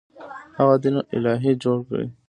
هغه دین الهي جوړ کړ.